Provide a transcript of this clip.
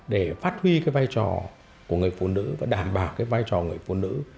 để phát huy cái vai trò của người phụ nữ và đảm bảo cái vai trò người phụ nữ